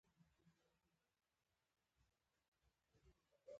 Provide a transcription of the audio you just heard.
دا ډلې پر ژوند اغېز ښندلای شي